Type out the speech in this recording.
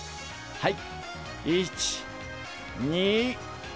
はい！